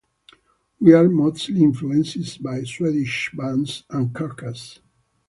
We are mostly influenced by Swedish bands and Carcass.